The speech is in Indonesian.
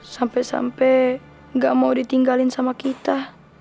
sampai sampai gak mau ditinggalin sama kita